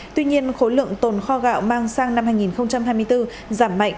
tuy nhiên khối lượng tồn kho gạo mang sang năm hai nghìn hai mươi bốn giảm mạnh